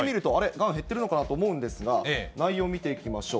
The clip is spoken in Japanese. がん減ってるのかなと思うんですが、内容を見ていきましょう。